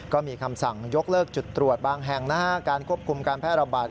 ก็มีคำสั่งยกเลิกจุดตรวจบางแห่งการควบคุมการแพร่ระบาด